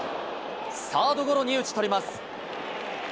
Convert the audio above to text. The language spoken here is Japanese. サードゴロに打ち取ります。